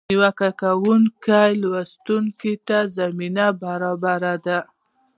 نیوکه کوونکي لوستونکي ته زمینه برابره ده.